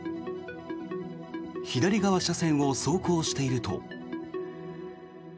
左側車線を走行していると。